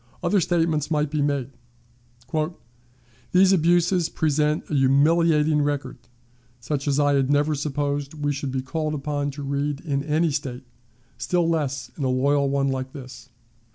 Other statements might be made. "These abuses present a humiliating record, such as I had never supposed we should be called upon to read in any State, still less in a loyal one like this.